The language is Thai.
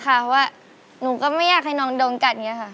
เพราะว่าหนูก็ไม่อยากให้น้องโดนกัดอย่างนี้ค่ะ